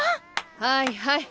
はいはい。